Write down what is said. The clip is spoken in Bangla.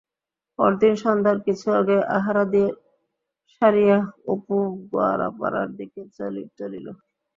পরদিন সন্ধ্যার কিছু আগে আহারাদি সারিয়া অপু গোয়ালাপাড়ার দিকে চলিল।